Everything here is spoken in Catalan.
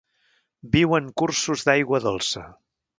Viu en cursos d'aigua dolça.